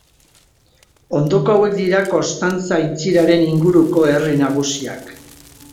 Ondoko hauek dira Konstantza aintziraren inguruko herri nagusiak.